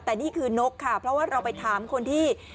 แต่นี่คือนกค่ะเพราะว่าเราไปถามคนที่